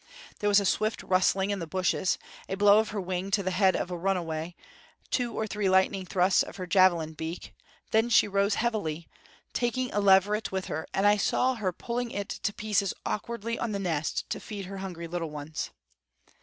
There was a swift rustling in the bushes, a blow of her wing to head off a runaway, two or three lightning thrusts of her javelin beak; then she rose heavily, taking a leveret with her; and I saw her pulling it to pieces awkwardly on the nest to feed her hungry little ones.